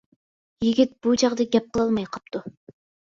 يىگىت بۇ چاغدا گەپ قىلالماي قاپتۇ.